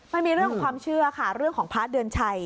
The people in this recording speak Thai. มันมีเรื่องของความเชื่อค่ะเรื่องของพระเดือนชัย